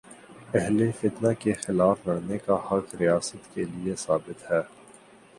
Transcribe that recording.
اہل فتنہ کے خلاف لڑنے کا حق ریاست کے لیے ثابت ہے۔